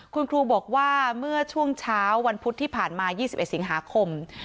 คุณครูบอกว่าเมื่อช่วงเช้าวันพุธที่ผ่านมา๒๑สิงหาคม